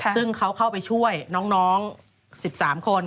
ซึ่งเขาเข้าไปช่วยน้อง๑๓คน